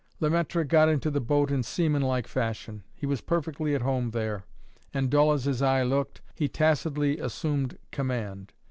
Le Maître got into the boat in seaman like fashion. He was perfectly at home there, and dull as his eye looked, he tacitly assumed command.